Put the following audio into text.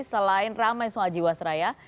selain ramai soal jiwasraya